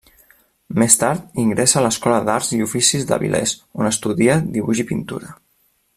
Més tard ingressa a l'Escola d'Arts i Oficis d'Avilés, on estudia dibuix i pintura.